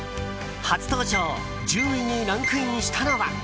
初登場１０位にランクインしたのは。